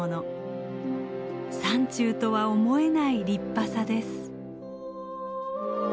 山中とは思えない立派さです。